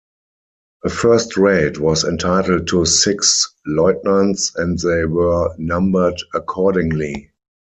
A first-rate was entitled to six lieutenants, and they were numbered accordingly.